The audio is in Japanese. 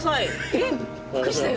えっ？びっくりした。